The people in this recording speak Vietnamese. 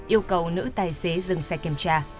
yêu cầu nữ tài xế dừng xe kiểm tra